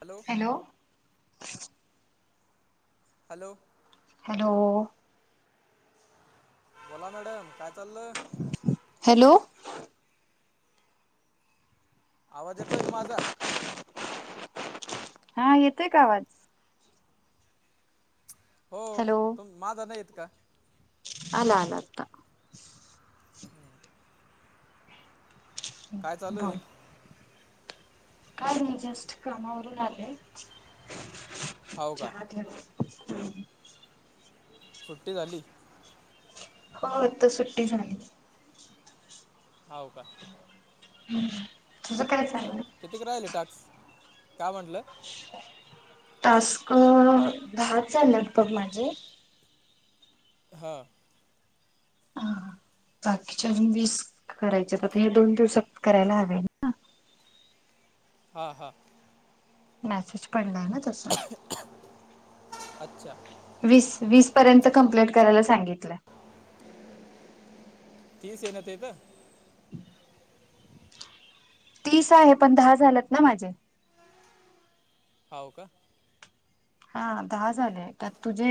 Hello. Hello. [inaudible] Hello. Hello. बोला madam, काय चालल. हॅलो. आवाज येतोय का, माझा? हा येतोय का आवाज? हो तुम माझं नाही येत का? अला अला आता [inaudible] काय चालू आहे. का जस्ट कामावरून आले हो का चहा ठेवलाय. सुट्टी झाली. हो आता सुट्टी झाली. हाव का? हम्म तुझं काय चाललंय? कितीक राहिल टाक्स, काय म्हटलं? टास्क दहा च् झाले बग माझे. हा ह बाकीच्या अजून वीस करायचे तर हे दोन दिवसात करायला हवे. हां हां मेसेज पडला आहे ना तसा. अच्छा वीस वीस पर्यंत कंप्लीट करायला सांगितलं. तीस ये ना तेेत तीस आहे पण दहा झालत ना माझे. होव का हा दहा झाले तर तुझे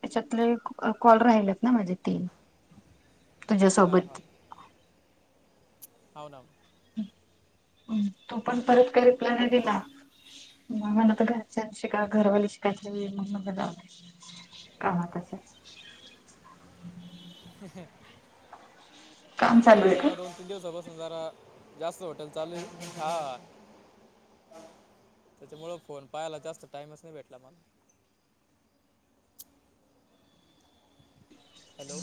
त्याच्यातले कॉल राहिलेत ना माझे तीन [inaudible] हां हां तुझ्यासोबत हो ना. तु पण परत काय रिप्लाय नाही दिला. म मना तर घरच्यां शि घरवाली शिकायच मग म्हणलं जाऊदे. काम तचं ये. हहह काम चालू हे आहे का जरा दोन किती दिवसा पासून जरा जास्त हॉटेल चालू ये हा त्याच्यामुळं फोन पहायला जास्त टाइमच नाही भेटला मला. हॅलो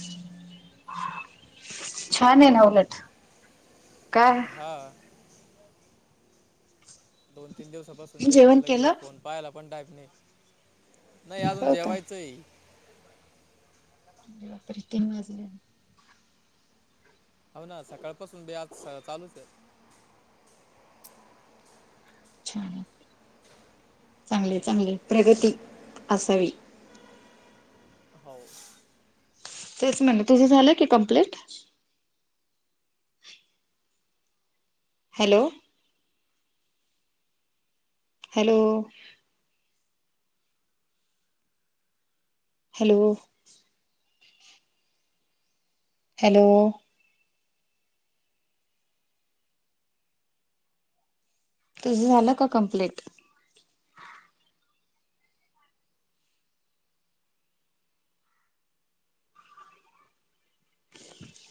छान आहे ना उलट काय हा दोन तीन दिवसापासून जे येत जेवण लगे केलं फोन पाहाला पण टाईम नाही नाही अजून हो का जेवायचंय. अे बापरे! तीन वाजले हा ना सकाळ पाासून ब आज चालूच ये. छान चांगले चांगले प्रगती असावी. हो तेच म्हणलं तुझं झालं की complete? Hello hello hello hello तुझं झालं का कंप्लीट?